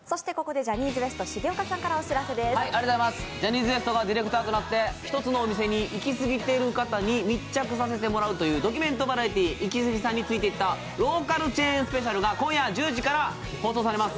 ジャニーズＷＥＳＴがディレクターとなって１つのお店に行きすぎている方に密着させてもらうというドキュメントバラエティー「イキスギさんについてったローカルチェーンスペシャル」が今夜１０時から放送されます。